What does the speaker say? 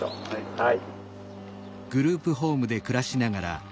はい。